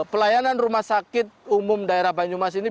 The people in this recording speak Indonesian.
pelayanan rumah sakit umum daerah banyumas ini